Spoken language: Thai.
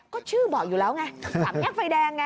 ก็ชื่อบอกอยู่แล้วไงสามแยกไฟแดงไง